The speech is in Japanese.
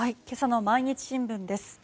今朝の毎日新聞です。